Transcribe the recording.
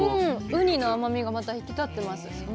ウニの甘みがまた引き立ってます。